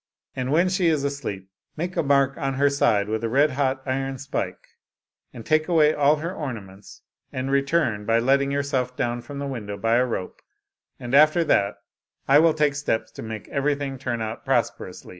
And when she is asleep, make a mark on her side with a red hot iron spike, and take away all her ornaments, and return by letting yourself down from the window by a rope; and after that I will take steps to make everything turn put prosperously."